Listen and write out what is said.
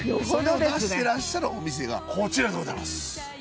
それを出してらっしゃるお店がこちらでございます。